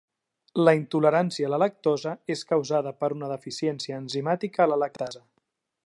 La intolerància a la lactosa és causada per una deficiència enzimàtica a la lactasa.